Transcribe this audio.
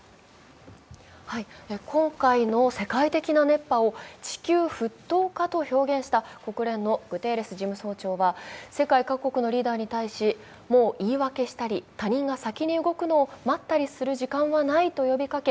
今回の世界的な熱波を地球沸騰化と表現した国連のグテーレス事務総長は世界各国にリーダーに対しもう、言い訳したり、他人が先に動くのを待ったりする時間はないと呼びかけ